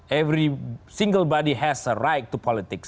semua orang punya hak untuk politik